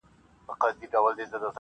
اردلیانو خبراوه له هر آفته-